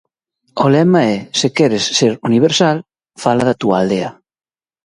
O lema é se queres ser universal, fala da túa aldea.